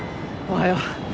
おはよう。